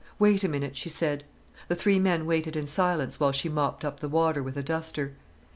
"Wait a minute!" she said. The three men waited in silence while she mopped up the water with a duster.